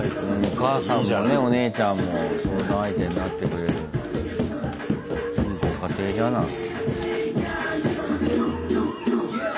お母さんもねお姉ちゃんも相談相手になってくれるいいご家庭じゃない。